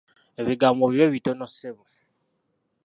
Ebigambo bibe bitono ssebo.